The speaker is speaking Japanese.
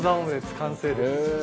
完成です。